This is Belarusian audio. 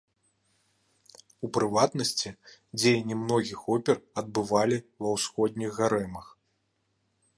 У прыватнасці, дзеянні многіх опер адбывалі ва ўсходніх гарэмах.